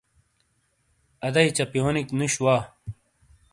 آدئی چَپیونِک نُوش وا۔